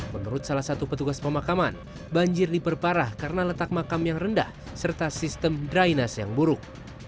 menurut salah satu petugas pemakaman banjir diperparah karena letak makam yang rendah serta sistem drynese yang buruk